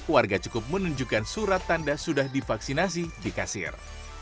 warga cukup menunjukkan surat tanda sudah divaksinasi di kasir